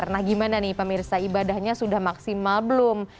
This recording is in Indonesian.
nah gimana nih pemirsa ibadahnya sudah maksimal belum